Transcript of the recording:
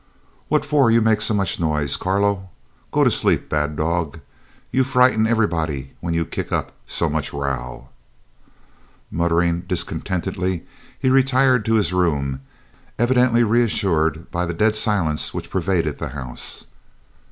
"What for you make so much noise, Carlo? Go to sleep, bad dog you frighten everybody when you kick up so much row." Muttering discontentedly, he retired to his room, evidently reassured by the dead silence which pervaded the house.